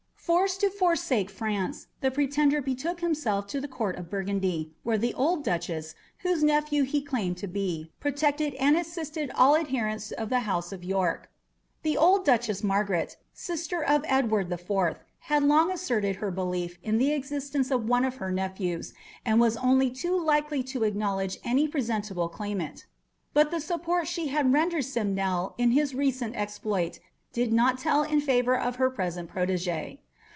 Forced to forsake France, the pretender betook himself to the Court of Burgundy, where the old Duchess, whose nephew he claimed to be, protected and assisted all adherents of the House of York. The old Duchess Margaret, sister of Edward the Fourth, had long asserted her belief in the existence of one of her nephews, and was only too likely to acknowledge any presentable claimant; but the support which she had rendered Simnel in his recent exploit did not tell in favour of her present protégé.